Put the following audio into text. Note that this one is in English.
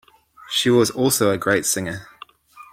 She was also a great singer.